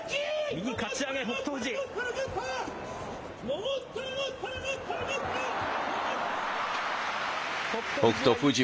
右、かち上げ北勝富士。